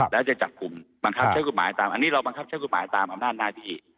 แล้วจะจับกลุ่มบังคับเช่นคุณหมายตามอันนี้เราบังคับเช่นคุณหมายตามอำนาจน่าดี